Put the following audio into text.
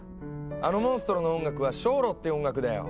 あのモンストロの音楽は「ショーロ」っていう音楽だよ。